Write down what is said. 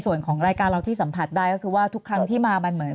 ส่วนของรายการเราที่สัมผัสได้ก็คือว่าทุกครั้งที่มามันเหมือน